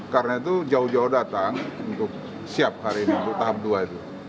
karena itu jauh jauh datang untuk siap hari ini untuk tahap dua itu